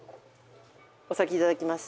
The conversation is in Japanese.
お先いただきます。